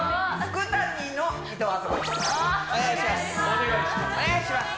お願いします。